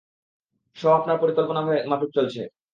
সব আপনার পরিকল্পনামাফিক চলছে।